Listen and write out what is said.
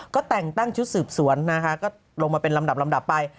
ก็แต่งตั้งชุดสืบสวนนะคะก็ลงมาเป็นลำดับลำดับไป